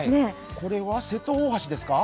これは瀬戸大橋ですか。